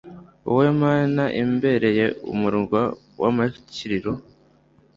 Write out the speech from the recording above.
wowe Mana imbereye umurwa w’amakiriro